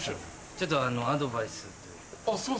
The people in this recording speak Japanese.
ちょっとアドバイスというか。